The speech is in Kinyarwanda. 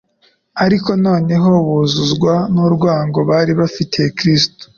ariko noneho buzuzwa n'urwango bari bafitiye Kristo.